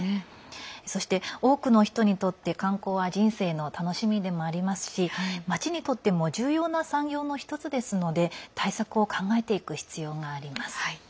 そして、多くの人にとって観光は人生の楽しみでもありますしまちにとっても重要な産業の１つですので対策を考えていく必要があります。